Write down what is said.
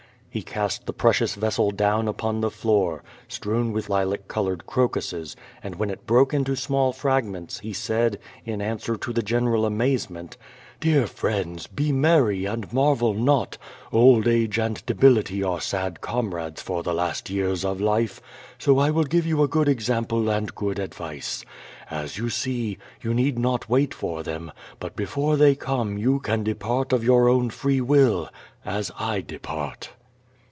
He cast the precious vessel down upon the floor, strewn with lilac colored crocuses, and when it broke into small fragments, he said, in answer to the general amazement: "Dear friends, be merry and marvel not. Old age and debility are sad comrades for the last years of life, so I will give you a good example and good advice. As you see, you need not wait for them, but before they come you can depaii of your own free will, as I depart."